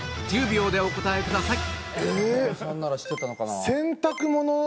１０秒でお答えくださいえ？